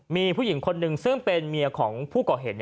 มีผู้หญิงคนหนึ่งซึ่งเป็นเมียของผู้ก่อเหตุ